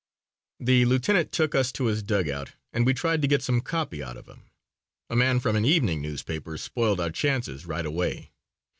The lieutenant took us to his dugout and we tried to get some copy out of him. A man from an evening newspaper spoiled our chances right away.